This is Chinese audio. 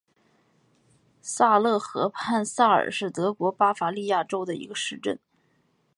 萨勒河畔萨尔是德国巴伐利亚州的一个市镇。